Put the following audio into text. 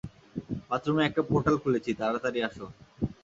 বাথরুমে একটা পোর্টাল খুলেছি, তাড়াতাড়ি আসো!